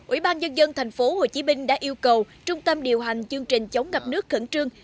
ủy ban dân dân thành phố hồ chí minh đã yêu cầu trung tâm điều hành chương trình chống ngập nước khẩn trương